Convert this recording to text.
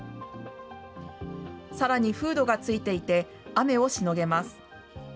さらにフードが付いていて、雨をしのげます。